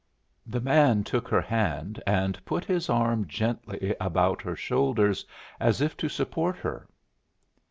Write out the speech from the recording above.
The man took her hand and put his arm gently about her shoulders, as if to support her.